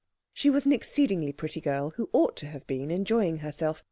She was an exceedingly pretty girl, who ought to have been enjoying herself.